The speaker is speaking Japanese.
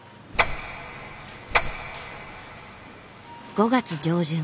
５月上旬。